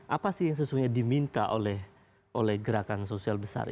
apa sih yang sesungguhnya diminta oleh gerakan sosial besar